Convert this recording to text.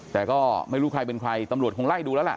แต่ก็ไม่รู้ใครเป็นใครตำรวจคงไล่ดูแล้วล่ะ